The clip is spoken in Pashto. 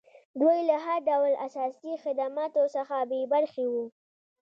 دوی له هر ډول اساسي خدماتو څخه بې برخې وو.